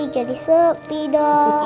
jadi sepi dong